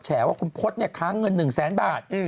แฉวว่าคุณพจน์ค้าเงิน๑๐๐๐๐๐บาท